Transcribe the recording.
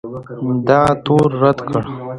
دغه تور رد کړ